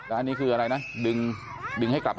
อันนี้คืออะไรนะ